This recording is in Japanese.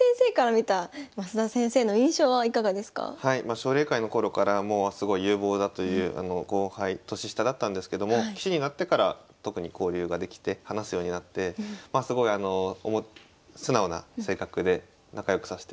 奨励会の頃からもうすごい有望だという後輩年下だったんですけども棋士になってから特に交流ができて話すようになってすごいあの素直な性格で仲良くさせて。